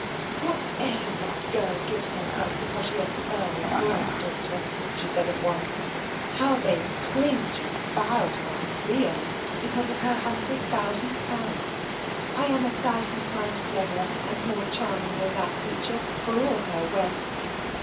"What airs that girl gives herself, because she is an Earl's grand daughter," she said of one. "How they cringe and bow to that Creole, because of her hundred thousand pounds! I am a thousand times cleverer and more charming than that creature, for all her wealth.